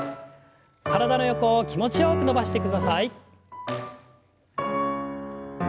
体の横を気持ちよく伸ばしてください。